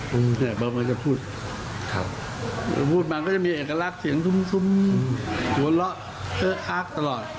พี่เก๋บอกมันจะพูดพูดมาก็จะมีเอกลักษณ์เสียงทุ่มหัวเราะเอ้ออ้ากตลอด